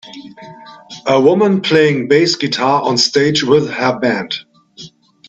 A woman playing bass guitar on stage with her band.